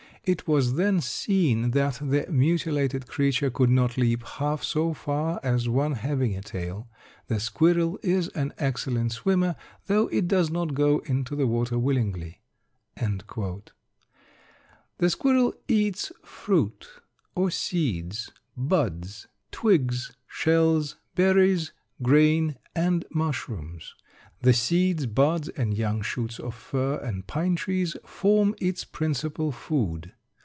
It was then seen that the mutilated creature could not leap half so far as one having a tail. The squirrel is an excellent swimmer, though it does not go into the water willingly." The squirrel eats fruit or seeds, buds, twigs, shells, berries, grain, and mushrooms. The seeds, buds, and young shoots of fir and pine trees form its principal food.